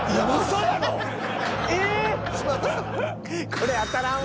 これ当たらんわ。